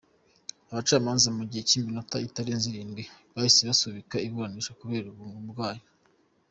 Abacamanza mu gihe cy’iminota itarenze irindwi bahise basubika iburanisha kubera ubu burwayi.